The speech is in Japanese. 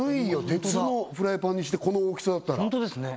鉄のフライパンにしてこの大きさだったらホントですね